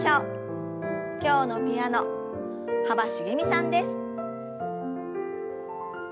今日のピアノ幅しげみさんです。